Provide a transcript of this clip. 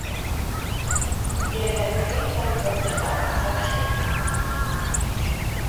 Кирәмәткәй тауҙың аҡ ташы